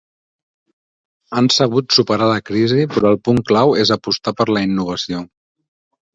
Han sabut superar la crisi, però el punt clau és apostar per la innovació.